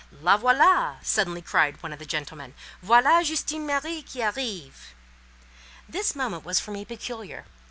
"La voilà!" suddenly cried one of the gentlemen, "voilà Justine Marie qui arrive!" This moment was for me peculiar.